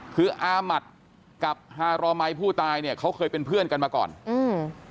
คืออามัติกับฮารอมัยผู้ตายเนี่ยเขาเคยเป็นเพื่อนกันมาก่อนอืม